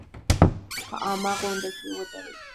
په عامه غونډه کې ودرېد.